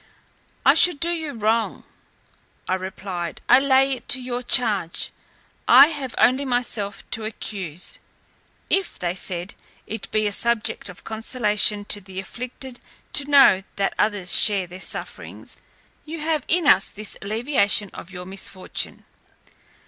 "I should do you wrong," I replied, "to lay it to your charge; I have only myself to accuse." "If," said they, "it be a subject of consolation to the afflicted to know that others share their sufferings, you have in us this alleviation of your misfortune.